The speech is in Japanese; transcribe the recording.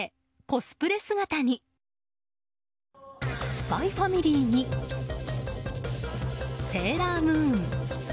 「ＳＰＹ×ＦＡＭＩＬＹ」に「セーラームーン」。